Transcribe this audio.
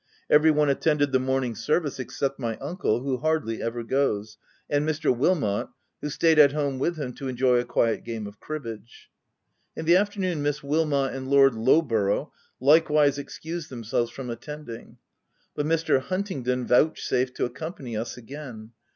Every one attended the morning service, except my uncle, who hardly ever goes, and Mr. Wilmot, who stayed at home with him to enjoy a quiet game of cribbage. In the afternoon Miss Wilmot and Lord Lowborough likewise excused themselves from attending ; but Mr. Huntingdon vouch safed to accompany us again.